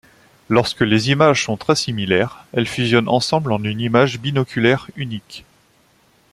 Lorsque les images sont très similaires, elles fusionnent ensemble en une image binoculaire unique.